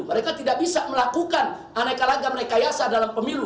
mereka tidak bisa melakukan aneka lagam rekayasa dalam pemilu